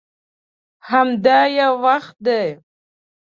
همدا یې وخت دی.